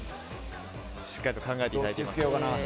しっかりと考えていただいていますね。